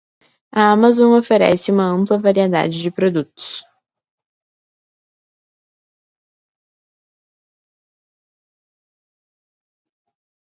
A Amazon oferece uma ampla variedade de produtos.